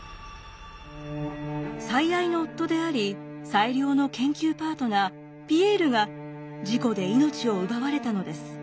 最愛の夫であり最良の研究パートナーピエールが事故で命を奪われたのです。